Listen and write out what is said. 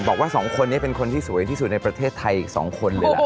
บอกว่าสองคนนี้เป็นคนที่สวยที่สุดในประเทศไทยอีก๒คนเลยล่ะ